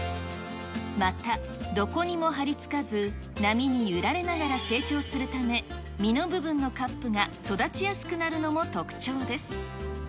また、どこにも貼りつかず、波に揺られながら成長するため、身の部分のカップが育ちやすくなるのも特徴です。